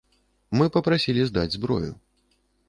Мы папрасілі здаць зброю.